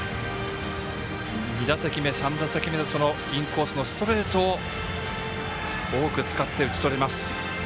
２打席目、３打席目とインコースのストレートを多く使って打ち取ります。